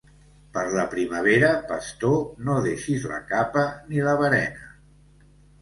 Per la primavera, pastor, no deixis la capa ni la berena.